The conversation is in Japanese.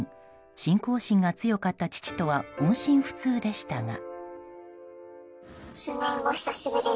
信仰心が強かった父とは音信不通でしたが。